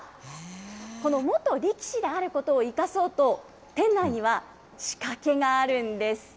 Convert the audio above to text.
この元力士であることを生かそうと、店内には仕掛けがあるんです。